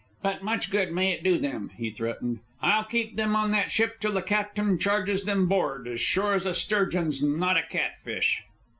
But much good may it do them," he threatened. "I'll keep them on that ship till the captain charges them board, as sure as a sturgeon's not a catfish!"